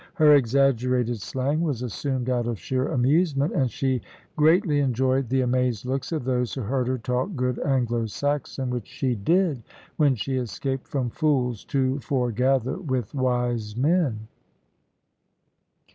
Her exaggerated slang was assumed out of sheer amusement, and she greatly enjoyed the amazed looks of those who heard her talk good Anglo Saxon, which she did, when she escaped from fools to forgather with wise men.